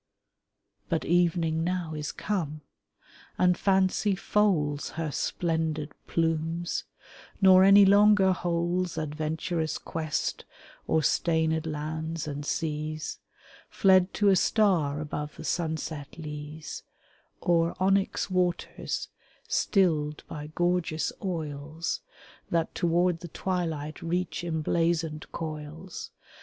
But evening now is come, and Fancy folds Her splendid plumes, nor any longer holds Adventurous quest o'er stained lands and seas — Fled to a star above the sunset lees, O'er onyx waters stilled by gorgeous oils That toward the twilight reach emblazoned coils.